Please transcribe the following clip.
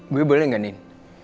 gue boleh gak nin